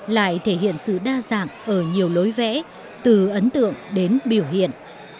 lại thể hiện sự đa dạng ở nhiều lối vẽ từ ấn tượng đến biểu hiện